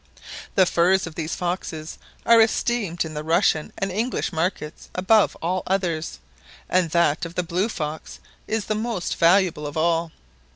The furs of these foxes are esteemed in the Russian and English markets above all others, and that of the blue fox is the most valuable of all.